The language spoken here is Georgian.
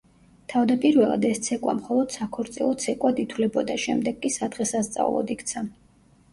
თავდაპირველად ეს ცეკვა მხოლოდ საქორწილო ცეკვად ითვლებოდა, შემდეგ კი სადღესასწაულოდ იქცა.